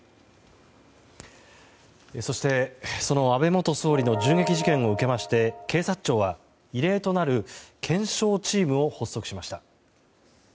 そして、その安倍元総理の銃撃事件を受けまして警察庁は異例となる検証チームを発足しました。